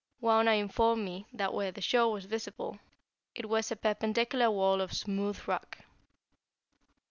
Wauna informed me that where the shore was visible it was a perpendicular wall of smooth rock.